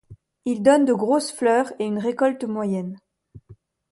Il donne de grosses fleurs et une récolte moyenne.